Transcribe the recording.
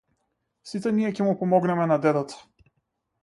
Сите ние ќе му помогнеме на дедото.